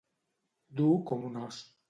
Dur com un os.